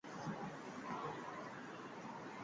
富川站日高本线上的站。